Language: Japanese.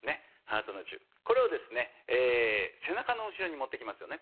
これをですね背中の後ろに持ってきますよねこれ。